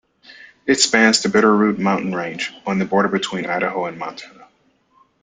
It spans the Bitterroot Mountain Range, on the border between Idaho and Montana.